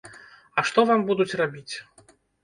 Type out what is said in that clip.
А што вам будуць рабіць?